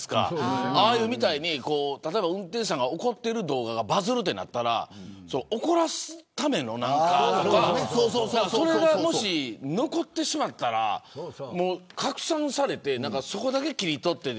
ああいうみたいに運転手さんが怒っている動画がバズるとなったら怒らすために。それが残ってしまったら拡散されてそこだけ切り取って。